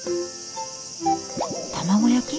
卵焼き？